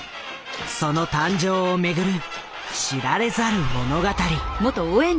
その誕生を巡る知られざる物語。